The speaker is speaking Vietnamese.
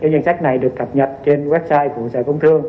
danh sách này được cập nhật trên website của sở công thương